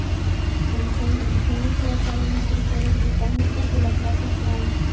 Su diseño se basaba en los cruceros británicos de la clase Town.